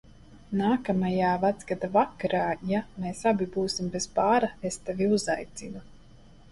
Nākamajā Vecgada vakarā, ja mēs abi būsim bez pāra, es tevi uzaicinu.